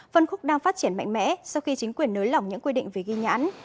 phân khúc đang phát triển mạnh mẽ sau khi chính quyền nới lỏng những quy định về ghi nhãn